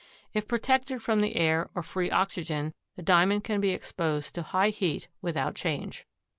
If protected from the air or free oxygen, the Diamond can be exposed to high heat without change.